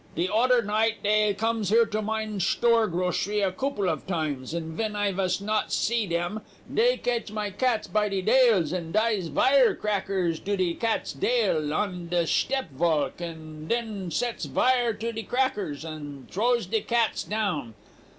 De oder night dey comes here to mine shtore crocery a koople of times, and ven I vas not see dem, dey ketch my cats by de dails, and dies vire crackers to de cat's dail, on de shtep valk, and den sets vire to de crackers, and trows de cats down.